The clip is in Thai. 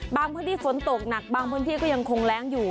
พื้นที่ฝนตกหนักบางพื้นที่ก็ยังคงแรงอยู่